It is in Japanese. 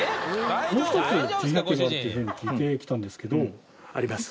もう一つ気になってるのがあるっていうふうに聞いて来たんですけど。あります！